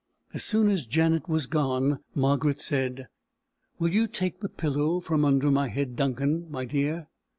As soon as Janet was gone, Margaret said: "Will you take the pillow from under my head, Duncan, my dear?"